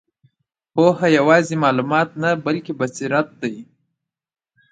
پوهه یوازې معلومات نه، بلکې بصیرت دی.